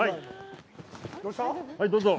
どうぞ。